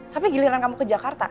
tapi giliran kamu ke jakarta